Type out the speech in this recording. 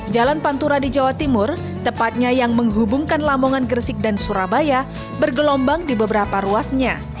jalan pantura di jawa timur tepatnya yang menghubungkan lamongan gresik dan surabaya bergelombang di beberapa ruasnya